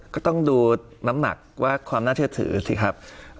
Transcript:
ก็ต้องดูน้ำหนักว่าความน่าเชื่อถือสิครับ